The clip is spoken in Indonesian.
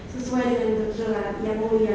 sesuai dengan tujuan yang mulia